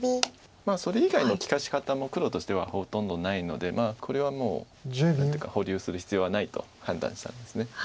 それ以外の利かし方も黒としてはほとんどないのでこれはもう何ていうか保留する必要はないと判断したんです。